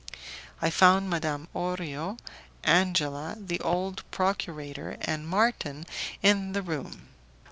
I found Madame Orio, Angela, the old procurator, and Marton in the room.